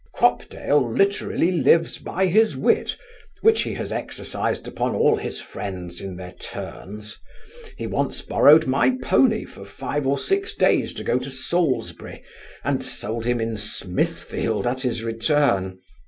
Cropdale literally lives by his wit, which he has exercised upon all his friends in their turns. He once borrowed my poney for five or six days to go to Salisbury, and sold him in Smithfield at his return.